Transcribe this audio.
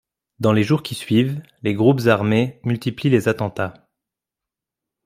Dans les jours qui suivent, les groupes armés multiplient les attentats.